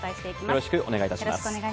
よろしくお願いします。